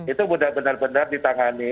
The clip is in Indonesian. itu benar benar ditangani